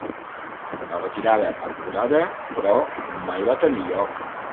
La retirada acordada, però, mai va tenir lloc.